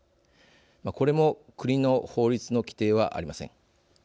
これも国の法律の規定はありません。